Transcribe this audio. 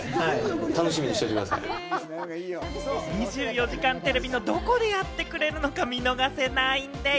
『２４時間テレビ』のどこでやってくれるのか見逃せないんでぃす。